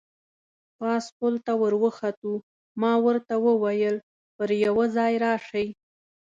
پاس پل ته ور وخوتو، ما ورته وویل: پر یوه ځای راشئ.